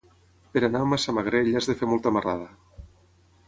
Per anar a Massamagrell has de fer molta marrada.